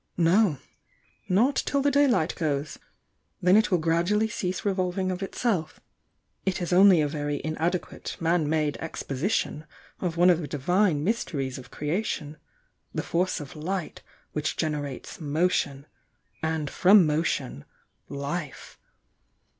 "No. Not till the daylight goes. Then it will grad ually cease revolving of itself. It is only a very in adequate man made exposition of one of the Divine mysteries of creation, — the force of Light which gen erates Motion, and from Motion, Life.